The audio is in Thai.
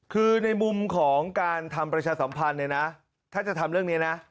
คือในมุมของการทำประชาสัมพันธ์เนี่ยนะถ้าจะทำเรื่องนี้นะ